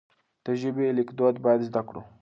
د ژبې ليکدود بايد زده کړو.